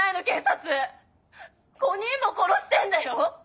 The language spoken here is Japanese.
警察５人も殺してんだよ？